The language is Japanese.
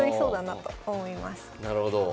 なるほど。